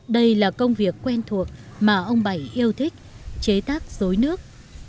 đây là công việc quen thuộc mà ông bảy yêu thích chế tác dối nước